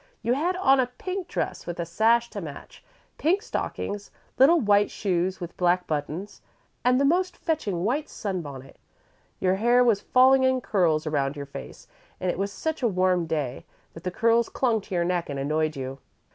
You had on a pink dress, with a sash to match, pink stockings, little white shoes with black buttons, and the most fetching white sunbonnet. Your hair was falling in curls all round your face and it was such a warm day that the curls clung to your neck and annoyed you.